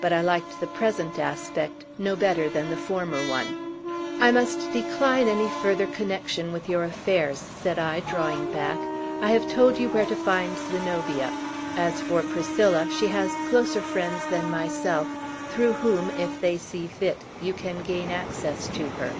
But I liked the present aspect no better than the former one. "I must decline any further connection with your affairs," said I, drawing back. "I have told you where to find Zenobia. As for Priscilla, she has closer friends than myself, through whom, if they see fit, you can gain access to her."